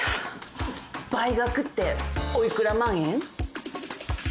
倍額ってお幾ら万円？